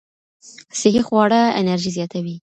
صحي خواړه انرژي زیاتوي.